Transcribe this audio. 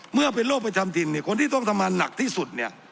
เมื่อเป็นโรคประจำถิ่นเนี่ยคนที่ต้องทำงานหนักที่สุดเนี่ย